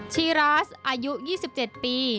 ชีราสอายุ๒๗ปี